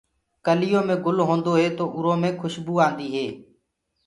ڪليوٚ دي گُل هوندو هي تو اُرو مي کُسبوُ آندي هي۔